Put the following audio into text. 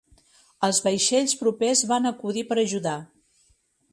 Els vaixells propers van acudir per ajudar.